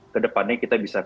ke depannya kita bisa lakukan